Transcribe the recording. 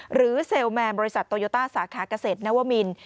เซลล์แมนบริษัทโตโยต้าสาขาเกษตรนวมิน